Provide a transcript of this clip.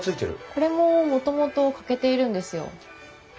これももともと欠けているんですよ。